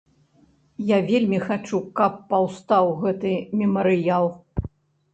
Я вельмі хачу, каб паўстаў гэты мемарыял.